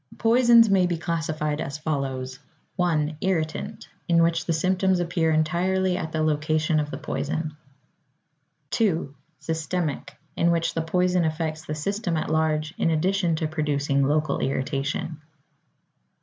Poisons may be classified as follows: 1. Irritant, in which the symptoms appear entirely at the location of the poison. 2. Systemic, in which the poison affects the system at large in addition to producing local irritation.